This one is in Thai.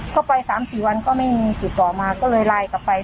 เข้าไป๓๔วันก็ไม่มีติดต่อมาก็เลยไลน์กลับไป